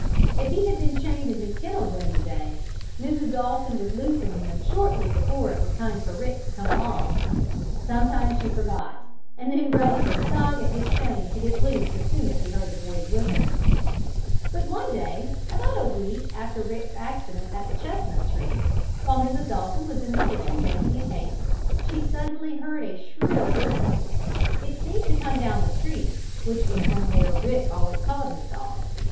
If he had been chained in his kennel during the day Mrs. Dalton would loosen him shortly before it was time for Rick to come along. Sometimes she forgot, and then Ruddy would tug at his chain to get loose as soon as he heard the boy's whistle. But one day, about a week after Rick's accident at the chestnut tree, while Mrs. Dalton was in the kitchen baking a cake, she suddenly heard a shrill whistle. It seemed to come from down the street, which was from where Rick always called his dog.